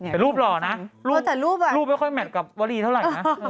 ใครล่ะแต่รูปหล่อนะรูปไม่ค่อยแมตกับวะรีเท่าไหร่นะ